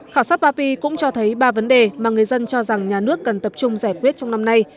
khảo sát papi cũng cho thấy ba vấn đề mà người dân cho rằng nhà nước cần tập trung giải quyết trong năm nay